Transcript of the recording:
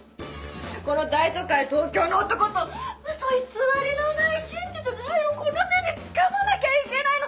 この大都会東京の男と嘘偽りのない真実の愛をこの手につかまなきゃいけないの！